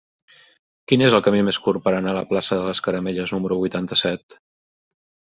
Quin és el camí més curt per anar a la plaça de les Caramelles número vuitanta-set?